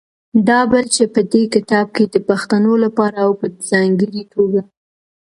بل دا چې په دې کتاب کې د پښتنو لپاره او په ځانګړې توګه